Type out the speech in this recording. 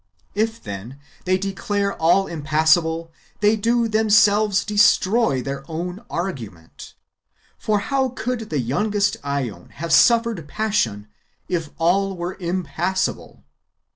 If, then, they declare all impassible, they do themselves destroy their own argument. For how could the youngest ^on have suffered passion if all were impassible